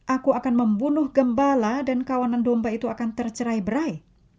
aku akan membunuh gembala dan kawanan domba itu akan tercerai berai